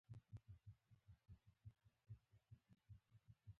سان مارینو د نړۍ تر ټولو لرغوني جمهوریت دی.